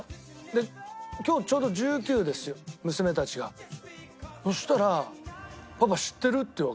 で今日ちょうど１９ですよ娘たちが。そしたら「パパ知ってる？」って言うわけ。